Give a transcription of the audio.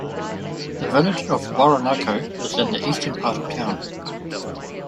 The village of Woronoco is in the eastern part of town.